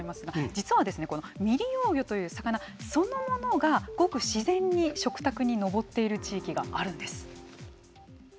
実は未利用魚という魚そのものがごく自然に食卓に上っている地域があるんです。